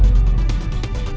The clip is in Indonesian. aku bisa hidup